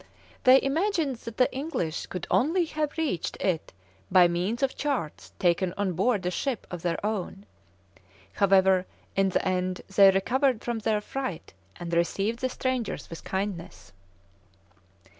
They imagined that the English could only have reached it by means of charts taken on board a ship of their own. However, in the end they recovered from their fright and received the strangers with kindness.